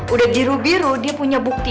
udah biru biru dia punya bukti